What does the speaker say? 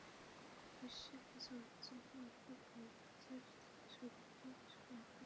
বিশ্বের কিছু অঞ্চলে অল্প কয়েক হাজার থেকে শুরু করে বেশ কয়েক হাজার বছর পর্যন্ত কাঠের বয়স নির্ধারণ করা সম্ভব।